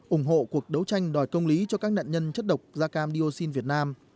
ủng hộ cuộc đấu tranh đòi công lý cho các nạn nhân chất độc da cam dioxin việt nam